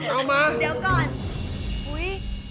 เอามาเดี๋ยวก่อนอุ๊ย